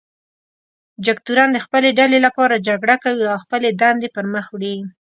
جګتورن د خپلې ډلې لپاره جګړه کوي او خپلې دندې پر مخ وړي.